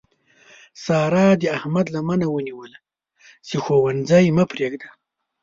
سارا د احمد لمنه ونیوله چې ښوونځی مه پرېږده.